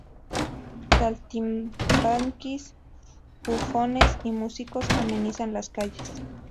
Saltimbanquis, bufones y músicos amenizan las calles.